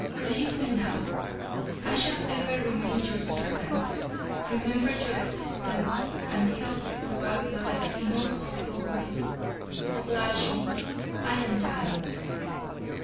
Release me now. I shall ever remain your servant, remember your assistance, and help you throughout life in all possible ways. Oblige me: I am dying."